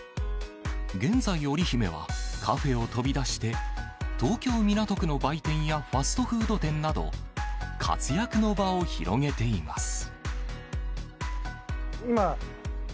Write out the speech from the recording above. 現在、オリヒメはカフェを飛び出して東京・港区の売店やファストフード店など活躍の場を広げています。